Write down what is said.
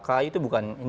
karena itu perlu tgp ya